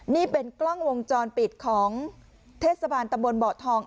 นี่เป็นกล้องวงจรปิดของเทศบาลตำบลเบาะทอง